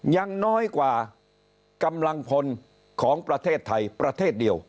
ยังน้อยกว่ากำลังพลของประเทศไทยประเทศเดียว